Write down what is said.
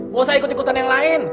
bawasah ikut ikutan yang lain